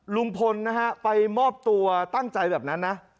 ลุงพลนะฮะไปมอบตัวตั้งใจแบบนั้นนะ